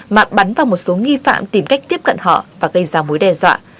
mà bắn vào một số nghi phạm tìm cách tiếp cận họ và gây ra mối đe dọa